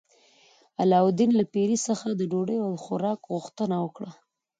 علاوالدین له پیري څخه د ډوډۍ او خوراک غوښتنه وکړه.